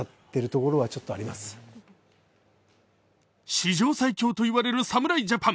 史上最強といわれる侍ジャパン。